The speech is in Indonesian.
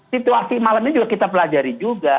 situasi malam ini juga kita pelajari juga